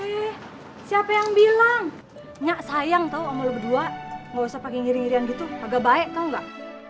eh siapa yang bilang nyak sayang tau sama lo berdua gak usah pakai ngiri ngirian gitu agak baik tau gak